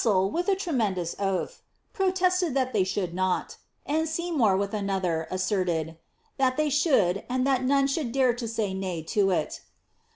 RasselU with a tremendous oath, ^ protested that they should not;^ and Se^'mour, with another, asserted, ^ that they should, and that none ihoald dare to say nay to it.''